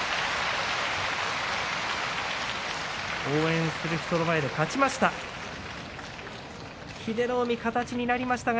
応援する人の前で勝ちました。